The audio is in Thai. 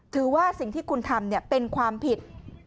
ถือว่าสิ่งที่คุณทำเป็นความผิด